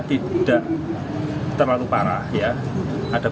ditentukan agak sampai menzerunsung